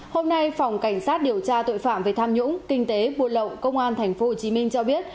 hôm nay phòng cảnh sát điều tra tội phạm về tham nhũng kinh tế buôn lậu công an tp hcm cho biết